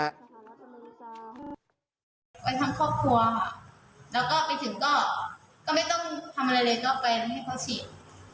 ไปทั้งครอบครัวค่ะแล้วก็ไปถึงก็ไม่ต้องทำอะไรเลยก็แฟนให้เขาฉีด